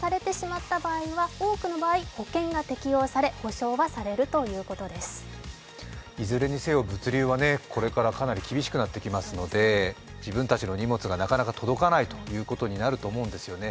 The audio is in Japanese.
盗難が心配という声があったんですがいずれにせよ物流はこれからかなり厳しくなってきますので自分たちの荷物がなかなか届かないということになると思うんですよね。